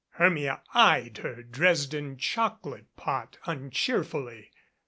Hermia eyed her Dresden choco late pot uncheerfully.